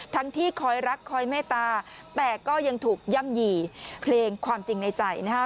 ที่คอยรักคอยเมตตาแต่ก็ยังถูกย่ำหยี่เพลงความจริงในใจนะฮะ